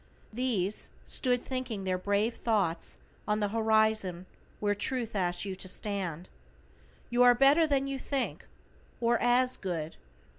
These, stood thinking their brave thoughts on the horizon where Truth asks you to stand. You are better than you think; or as good.